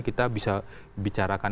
kita bisa bicarakan